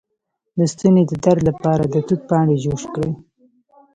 د ستوني د درد لپاره د توت پاڼې جوش کړئ